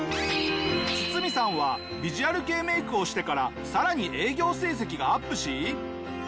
ツツミさんはヴィジュアル系メイクをしてからさらに営業成績がアップし。